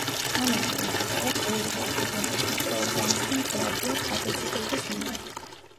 ამის მიუხედავად, ბევრი პათოგენური მიკროორგანიზმი მდგრადია ფაგოციტოზის მიმართ.